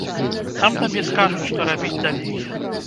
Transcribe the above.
Там табе скажуць, што рабіць далей.